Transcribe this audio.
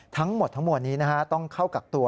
ทั้งหมดทั้งมวลนี้ต้องเข้ากักตัว